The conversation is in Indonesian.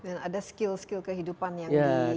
dan ada skill skill kehidupan yang bisa di